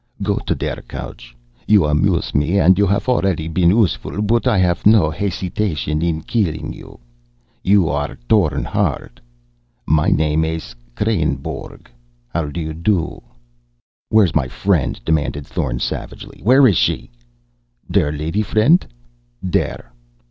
"Go to der couch. You amuse me and you haff already been useful, but I shall haff no hesitation in killing you. You are Thorn Hardt. My name is Kreynborg. How do you do?" "Where's my friend?" demanded Thorn savagely. "Where is she?" "Der lady friendt? There!"